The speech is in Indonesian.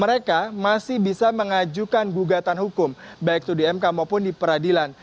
mereka masih bisa mengajukan gugatan hukum baik itu di mk maupun di peradilan